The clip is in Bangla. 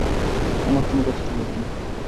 আমার কোনো কষ্ট হবে না!